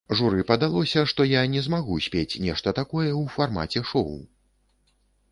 Журы падалося, што я не змагу спець нешта такое ў фармаце шоў.